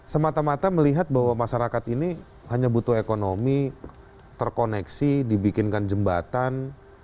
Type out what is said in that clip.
semata mata melihat bahwa masyarakat ini hanya butuh ekonomi terkoneksi dibikinkan jembatan